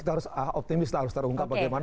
kita harus optimis lah harus terungkap bagaimana